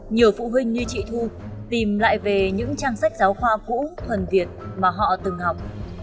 nhiều phụ huynh như chị thu tìm lại về những trang sách giáo khoa cũ thuần việt mà họ từng học